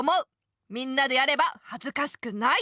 みんなでやればはずかしくない！